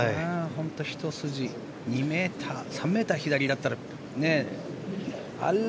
本当にひと筋２ｍ、３ｍ左だったら。